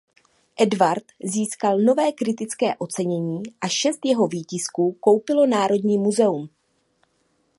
Edward získal nové kritické ocenění a šest jeho výtisků koupilo Národní muzeum.